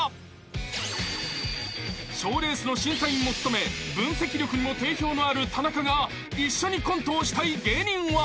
［賞レースの審査員も務め分析力にも定評のある田中が一緒にコントをしたい芸人は］